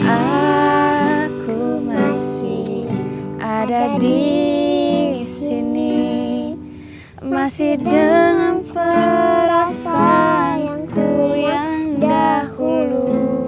aku masih ada di sini masih dengan perasaanku yang dahulu